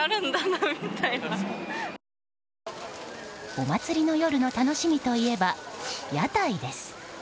お祭りの夜の楽しみといえば屋台です。